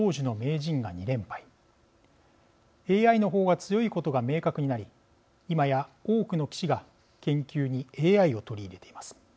ＡＩの方が強いことが明確になり今や多くの棋士が研究にＡＩを取り入れています。